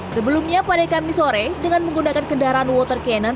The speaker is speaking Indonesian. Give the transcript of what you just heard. sebelumnya pada kamis sore dengan menggunakan kendaraan water cannon